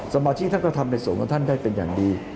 สมาชิกท่านก็ทำในส่วนของท่านได้เป็นอย่างดี